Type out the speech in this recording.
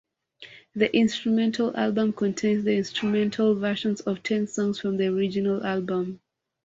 The instrumental album contains the instrumental versions of ten songs from the original album.